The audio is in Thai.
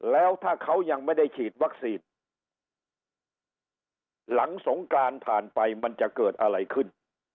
แล้วถ้าเขายังไม่ได้ฉีดวัคซีนหลังสงการผ่านไปมันจะเกิดอะไรขึ้น